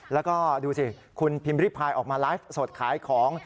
แล้วก็ดูสิคุณพิมพ์ริพายออกมาไลฟ์สดขายของ